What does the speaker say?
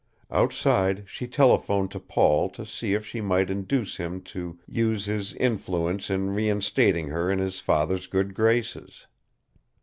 Outside, she telephoned to Paul to see if she might induce him to use his influence in reinstating her in his father's good graces.